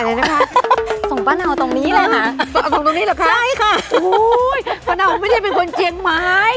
อะไรนะครับส่งป้าเนาตรงนี้เลยค่ะใช่ค่ะโอ้ยป้าเนาไม่ได้เป็นคนเจียงไม้